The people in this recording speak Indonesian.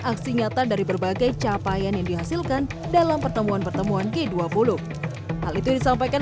aksi nyata dari berbagai capaian yang dihasilkan dalam pertemuan pertemuan g dua puluh hal itu disampaikan